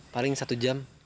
paling satu jam